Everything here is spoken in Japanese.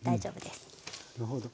なるほど。